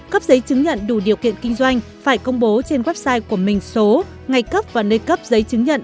cấp giấy chứng nhận đủ điều kiện kinh doanh phải công bố trên website của mình số ngày cấp và nơi cấp giấy chứng nhận